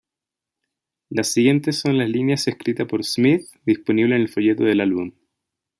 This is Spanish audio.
Las siguientes son las líneas escritas por Smith disponible en el folleto del álbum.